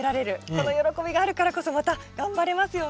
この喜びがあるからこそまた頑張れますよね。